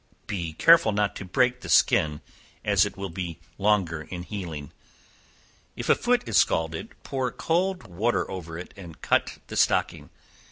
Be careful not to break the skin, as it will be longer in healing. If a foot is scalded, pour cold water over it and cut the stocking.